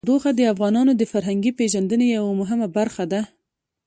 تودوخه د افغانانو د فرهنګي پیژندنې یوه مهمه برخه ده.